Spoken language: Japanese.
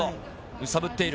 揺さぶっている。